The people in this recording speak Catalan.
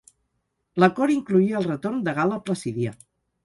L'acord incloïa el retorn de Gal·la Placídia.